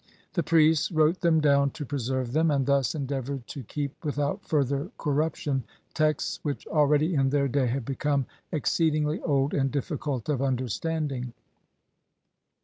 The priests wrote them down to preserve them, and thus endeavoured to keep without further cor ruption texts which already in their day had become exceedingly old and difficult of understanding.